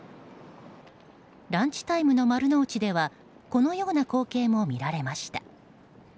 ランチタイムの丸の内ではこのような光景も見られました。